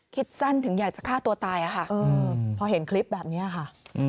ฆ่าตัวตายอ่ะค่ะพอเห็นคลิปแบบนี้อ่ะค่ะ